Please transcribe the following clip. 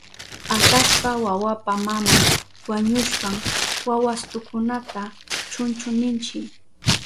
Atallpa wawapa maman wañushpan wawastukunata chunchu ninchi.